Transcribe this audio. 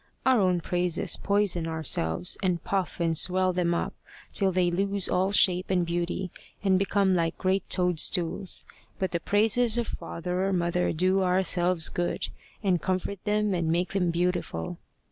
Our own praises poison our Selves, and puff and swell them up, till they lose all shape and beauty, and become like great toadstools. But the praises of father or mother do our Selves good, and comfort them and make them beautiful.